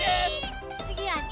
つぎは２！